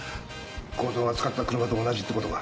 強盗が使った車と同じってことか。